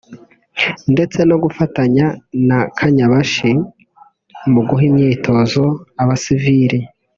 ndetse no gufatanya na Kanyabashi mu guha imyitozo abasivili